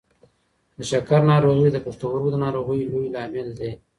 د شکر ناروغي د پښتورګو د ناروغۍ لوی لامل دی.